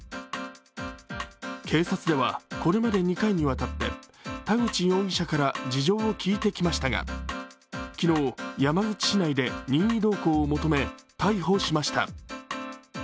警察ではこれまで２回にわたって田口容疑者から事情を聴いてきましたが昨日、山口市内で任意同行を求め逮捕しました。